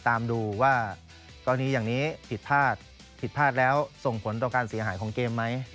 แสดงว่ามีผิดพลาดก็อัมาตรฐานก็มี